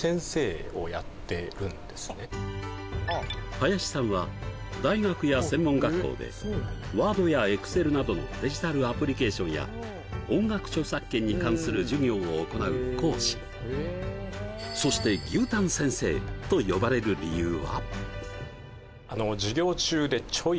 林さんは大学や専門学校でワードやエクセルなどのデジタルアプリケーションや音楽著作権に関する授業を行う講師そして牛タン先生と呼ばれる理由は？